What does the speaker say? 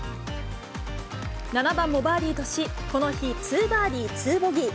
７番もバーディーとし、この日、２バーディー２ボギー。